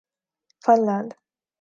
fun land